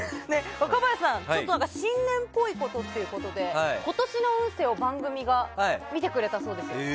若林さん新年っぽいことということで今年の運勢を番組が見てくれたそうです。